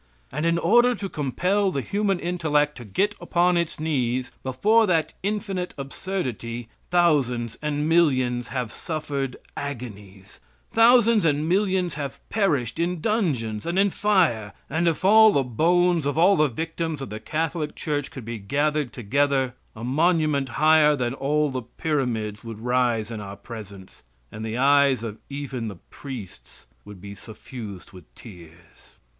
And in order to compel the human intellect to get upon its knees, before that infinite absurdity, thousands and millions have suffered agonies; thousands and millions have perished in dungeons and in fire; and if all the bones of all the victims of the Catholic Church could be gathered together, a monument higher than all the pyramids would rise in our presence, and the eyes even of priests would be suffused with tears.